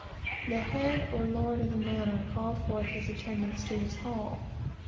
"The head or lord of the manor called forth his attendants to his hall.